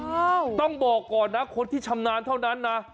ต้องบอกก่อนนะคนที่ชำนาญเท่านั้นนะ